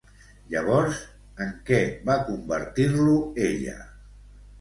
Llavors, en què va convertir-lo ella?